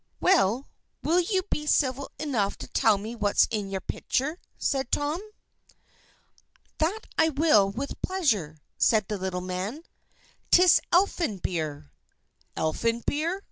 "Well, will you be civil enough to tell me what's in your pitcher?" said Tom. "That I will, with pleasure," said the little man. "'Tis Elfin beer." "Elfin beer!"